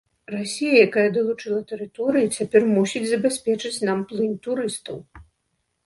Расія, якая далучыла тэрыторыі, цяпер мусіць забяспечыць нам плынь турыстаў.